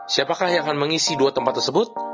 siapakah yang akan mengisi dua tempat tersebut